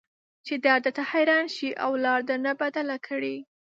چې درد درته حيران شي او لار درنه بدله کړي.